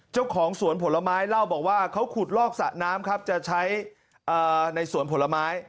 เจ้าของสวนผลไม้เล่าบอกว่าเขาขุดลอกสระน้ำครับจะใช้ในสวนผลไม้